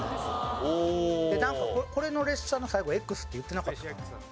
なんかこれの列車の最後「Ｘ」って言ってなかったかな？